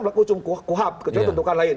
berlaku cuma kuhab kecuali tentukan lain